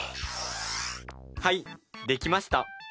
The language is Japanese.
はいできました。